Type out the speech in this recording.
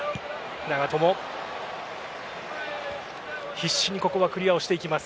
必死にここはクリアをしていきます。